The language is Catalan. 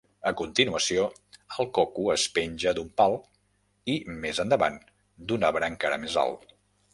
A continuació, el coco es penja d'un pal i, més endavant, d'un arbre encara més alt.